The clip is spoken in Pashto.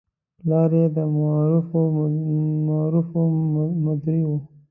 پلار یې د معارفو مدیر و.